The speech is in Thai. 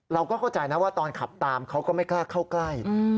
เราก็เข้าใจนะว่าตอนขับตามเขาก็ไม่กล้าเข้าใกล้